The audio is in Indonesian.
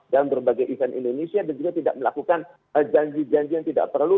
dalam berbagai event indonesia dan juga tidak melakukan janji janji yang tidak perlu